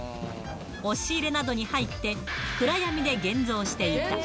押し入れなどに入って、暗闇で現像していた。